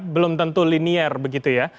belum tentu linear begitu ya